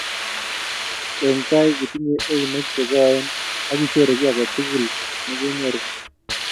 Eng tai, kitinye eunek che koen akichorei kiy aketukul nekinyoru